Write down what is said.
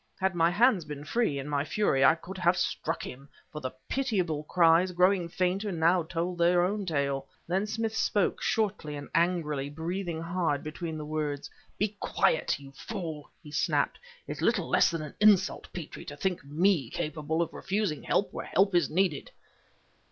Had my hands been free, in my fury, I could have struck him, for the pitiable cries, growing fainter, now, told their own tale. Then Smith spoke shortly and angrily breathing hard between the words. "Be quiet, you fool!" he snapped; "it's little less than an insult, Petrie, to think me capable of refusing help where help is needed!"